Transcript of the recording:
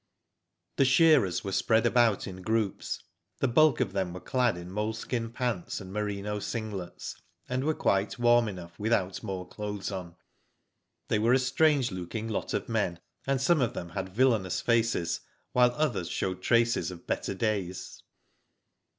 The shearers were spread about in groups. The bulk of them were clad in moleskin pants and merino singlets, and were quite warm enough without more clothes on. They were a strange looking lot of men, and some of them had villainous faces, while others showed traces of better days.